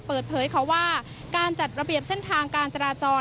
เปิดเผยค่ะว่าการจัดระเบียบเส้นทางการจราจร